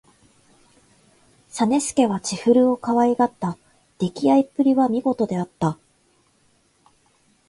実資は千古をかわいがった。できあいっぷりは見事であった。